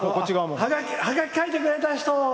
ハガキ書いてくれた人！